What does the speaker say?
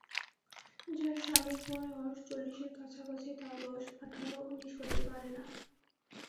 যার স্বামীর বয়স চল্লিশের কাছাকাছি তার বয়স আঠার-উনিশ হতে পারে না।